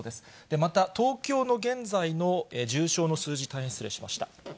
また東京の現在の重症の数字、大変失礼しました。